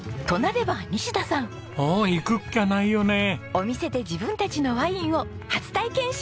お店で自分たちのワインを初体験します！